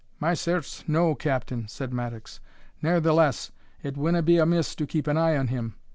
"My certes, no, Captain," said Mattocks; "ne'ertheless, it winna be amiss to keep an eye on him.